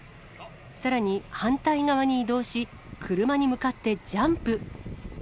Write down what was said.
さらに、反対側に移動し、車に向かってジャンプ。